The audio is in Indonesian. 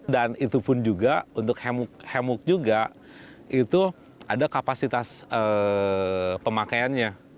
dan itu pun juga untuk hemok juga itu ada kapasitas pemakaiannya